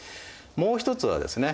もう一つはですね